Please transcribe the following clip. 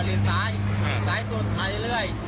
เลียนซ้ายไปเรื่อย